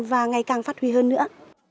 và ngày càng phát huy hơn nữa